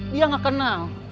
dia gak kenal